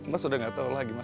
mas udah nggak tahu lagi mas